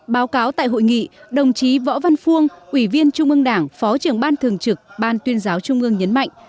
báo cáo tại hội nghị đồng chí võ văn phuông ủy viên trung ương đảng phó trưởng ban thường trực ban tuyên giáo trung ương nhấn mạnh